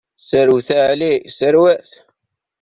Serwet a Ɛli, serwet!